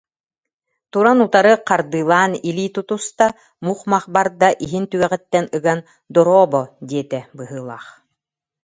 Туран утары хардыылаан илии тутуста, мух-мах барда, иһин түгэҕиттэн ыган «дорообо» диэтэ быһыылаах